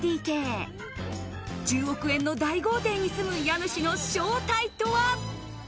１０億円の大豪邸に住む家主の正体とは？